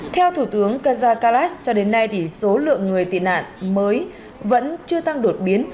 theo thủ tướng kazakarlas cho đến nay thì số lượng người tị nạn mới vẫn chưa tăng đột biến